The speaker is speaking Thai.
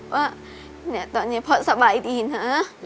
ว่าตอนนี้พ่อสบายดีนะ